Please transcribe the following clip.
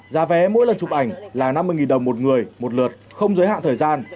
giá vé mỗi lần chụp ảnh là năm mươi đồng một người một lượt không giới hạn thời gian